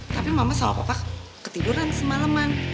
tapi mama sama papa ketiduran semaleman